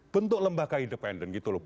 buka ke independen gitu lho